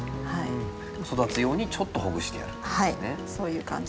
育つようにちょっとほぐしてやるっていうことですね。